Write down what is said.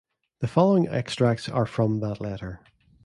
The following extracts are from that letter.